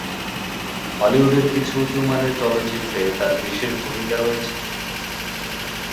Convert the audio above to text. হলিউডের কিছু উঁচুমানের চলচ্চিত্রে তার বিশেষ ভূমিকা রয়েছে।